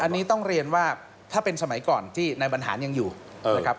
อันนี้ต้องเรียนว่าถ้าเป็นสมัยก่อนที่นายบรรหารยังอยู่นะครับ